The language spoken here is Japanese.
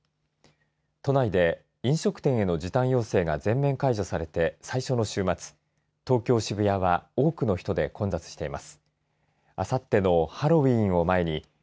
都内で飲食店の時短要請が全面解除された最初の週末東京、渋谷は多くの人で混雑しています